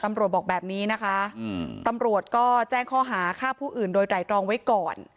บอกแบบนี้นะคะตำรวจก็แจ้งข้อหาฆ่าผู้อื่นโดยไตรรองไว้ก่อน